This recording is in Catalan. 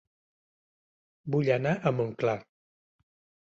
Vull anar a Montclar